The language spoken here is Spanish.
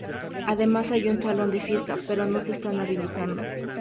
Además hay un salón de fiesta pero no se está habilitando.